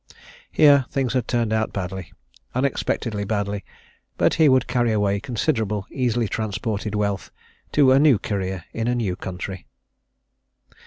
Here, things had turned out badly, unexpectedly badly but he would carry away considerable, easily transported wealth, to a new career in a new country.